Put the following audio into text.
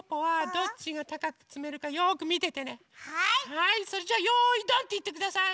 はいそれじゃ「よいドン」っていってください！